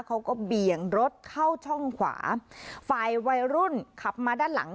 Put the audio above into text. เบี่ยงรถเข้าช่องขวาฝ่ายวัยรุ่นขับมาด้านหลัง